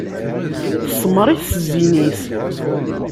Tsemmeṛ-it s zzin-is.